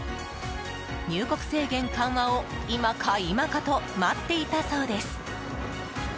入国制限緩和を今か今かと待っていたそうです。